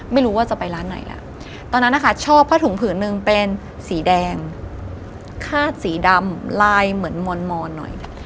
ไม่รู้ว่าจะไปร้านไหนล่ะตอนนั้นนะคะชอบผ้าถุงผืนหนึ่งเป็นสีแดงคาดสีดำลายเหมือนมอนหน่อย